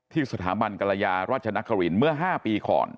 สถาบันกรยาราชนครินเมื่อ๕ปีก่อน